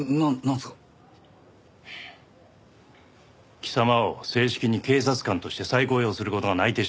貴様を正式に警察官として再雇用する事が内定した。